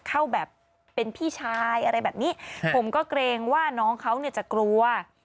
เข้าแบบเป็นพี่ชายอะไรแบบนี้ผมก็เกรงว่าน้องเขาเนี่ยจะกลัว